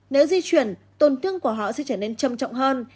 nếu di chuyển tổn thương của họ sẽ trở nên trầm trọng hơn